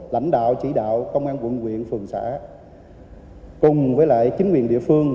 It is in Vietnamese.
lãnh đạo chỉ đạo công an quận quyện phường xã cùng với lại chính quyền địa phương